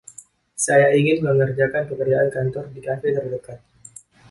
saya ingin mengerjakan pekerjaan kantor di kafe terdekat